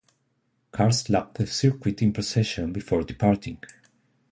Cars lapped the circuit in procession before departing.